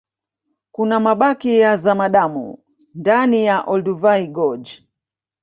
kuna mabaki ya zamadamu ndani ya olduvai george